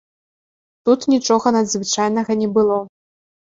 Тут нічога надзвычайнага не было.